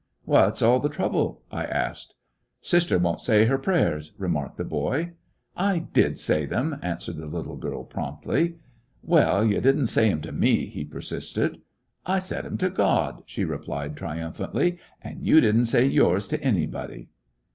"What 's all the trouble! " I asked. "Sister won't say her prayers," remarked the boy. "I did say them," answered the little girl, promptly. "Well, you did n't say them to me," he persisted. "I said them to God," she replied trium phantly, "and you did n't say yours to anybody."